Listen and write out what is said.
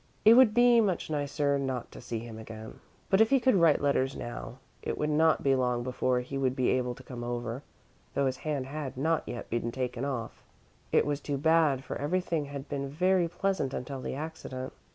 It would be much nicer not to see him again. But, if he could write letters now, it would not be long before he would be able to come over, though his hand had not yet been taken off. It was too bad, for everything had been very pleasant until the accident.